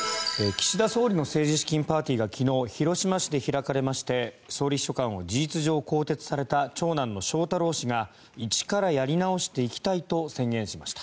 岸田総理の政治資金パーティーが昨日、広島市で開かれまして総理秘書官を事実上更迭された長男の翔太郎氏が一からやり直していきたいと宣言しました。